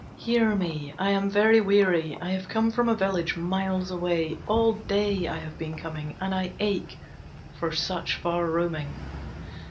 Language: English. Hear me! I am very weary. I have come from a village miles away, all day I have been coming, and I ache for such far roaming.